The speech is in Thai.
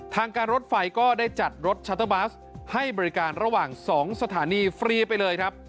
ทางการรถไฟก็ได้จัดรถชัตเตอร์บัสให้บริการระหว่าง๒สถานีฟรีไปเลยครับ